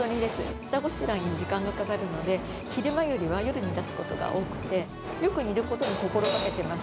下ごしらえに時間がかかるので、昼間よりは夜に出すことが多くて、よく煮ることを心がけてます。